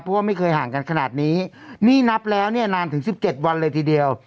เพราะว่าไม่เคยห่างกันขนาดนี้นี่นับแล้วเนี่ยนานถึงสิบเจ็ดวันเลยทีเดียว